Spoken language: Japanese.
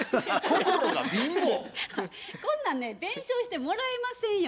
こんなんね弁償してもらえませんよ。